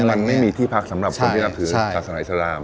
มันไม่มีที่พักสำหรับคนที่นับถือศาสนาอิสลาม